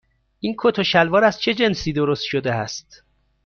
این کت و شلوار از چه جنسی درست شده است؟